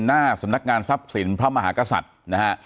หน้าสำนักงานทรัพย์สินพระมหากษัตริย์นะฮะ